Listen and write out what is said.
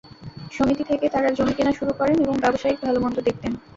সমিতি থেকে তাঁরা জমি কেনা শুরু করেন এবং ব্যবসায়িক ভালো-মন্দ দেখতেন।